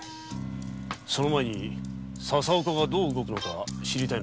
その前に佐々岡がどう動くのかを知りたい。